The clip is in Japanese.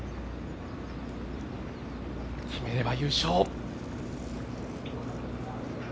決めれば優勝。